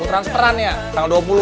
punya transferan ya tanggal dua puluh